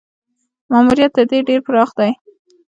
ماموریت تر دې ډېر پراخ دی.